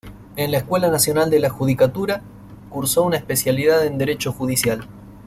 En la Escuela Nacional de la Judicatura, cursó una especialidad en Derecho Judicial.